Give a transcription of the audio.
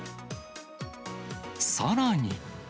さらに。